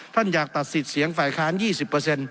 ท่านอยากตัดสิทธิ์เสียงไฟร์ฮารน